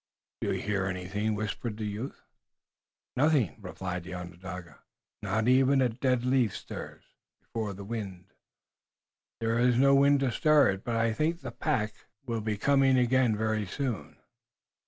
"Do you hear anything?" whispered the white youth. "Nothing," replied the Onondaga. "Not even a dead leaf stirs before the wind. There is no wind to stir it. But I think the pack will be coming again very soon.